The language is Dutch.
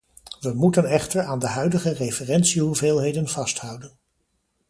We moeten echter aan de huidige referentiehoeveelheden vasthouden.